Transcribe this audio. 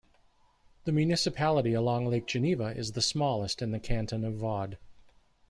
The municipality along Lake Geneva is the smallest in the Canton of Vaud.